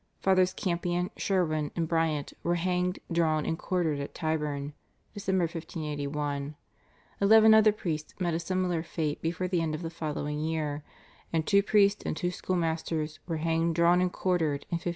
Fathers Campion, Sherwin, and Briant were hanged, drawn and quartered at Tyburn (Dec. 1581); eleven other priests met a similar fate before the end of the following year, and two priests and two school masters were hanged, drawn and quartered in 1583.